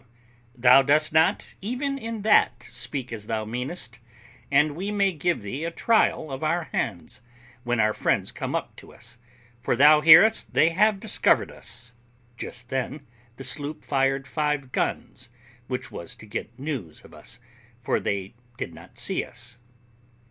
W. Thou dost not, even in that, speak as thou meanest; and we may give thee a trial of our hands when our friends come up to us, for thou hearest they have discovered us. [Just then the sloop fired five guns, which was to get news of us, for they did not see us.